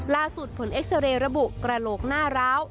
ผลเอ็กซาเรย์ระบุกระโหลกหน้าร้าว